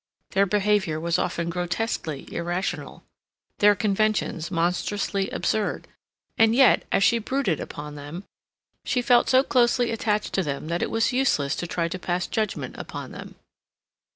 Their behavior was often grotesquely irrational; their conventions monstrously absurd; and yet, as she brooded upon them, she felt so closely attached to them that it was useless to try to pass judgment upon them.